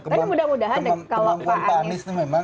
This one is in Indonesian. tapi mudah mudahan kalaupun pak anies itu memang